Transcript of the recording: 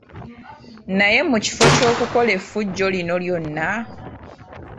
Naye mu kifo ky’okukola effujjo lino lyonna,